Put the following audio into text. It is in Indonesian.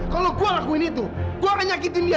kalau gue lakuin itu gue orang nyakitin dia